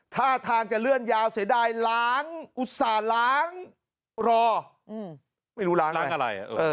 ถ้าทางจะเลื่อนยาวเสียดายหลางอุตส่าหลางรอไม่รู้หลางอะไร